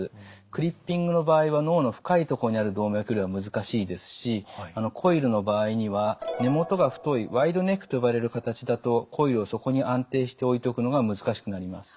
クリッピングの場合は脳の深いところにある動脈瘤は難しいですしコイルの場合には根元が太いワイドネックと呼ばれる形だとコイルをそこに安定して置いておくのが難しくなります。